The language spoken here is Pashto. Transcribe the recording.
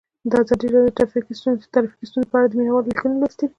ازادي راډیو د ټرافیکي ستونزې په اړه د مینه والو لیکونه لوستي.